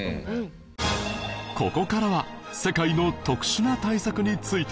ここからは世界の特殊な対策について